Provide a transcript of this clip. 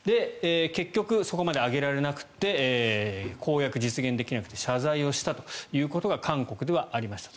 結局、そこまで上げられなくて公約実現できなくて謝罪をしたということが韓国ではありました。